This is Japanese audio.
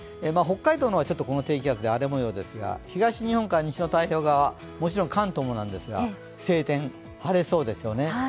北海道の方はこの低気圧で荒れ模様ですが東日本から西の太平洋側、もちろん関東もですが、晴天、晴れそうですね。